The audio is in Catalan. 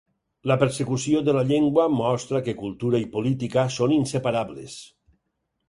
La persecució de la llengua mostra que cultura i política són inseparables.